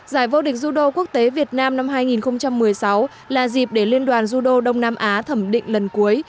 giải vô địch judo quốc tế việt nam năm hai nghìn một mươi sáu là dịp để liên đoàn judo đông nam á thẩm định lần cuối